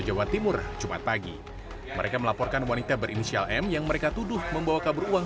jawa timur jumat pagi mereka melaporkan wanita berinisial m yang mereka tuduh membawa kabur uang